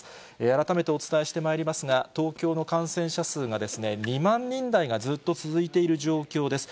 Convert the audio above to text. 改めてお伝えしてまいりますが、東京の感染者数が２万人台がずっと続いている状況です。